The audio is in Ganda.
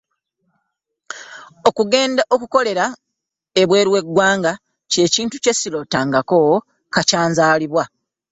Okugenda okukolera ebweru we ggwanga kye kintu kye sirootangako kakya nzaalibwa.